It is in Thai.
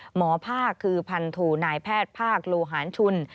หมอภาคคือพันโทนายแพทย์ภาคโลหารชุน